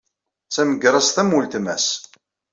D tamegraẓt am weltma-s.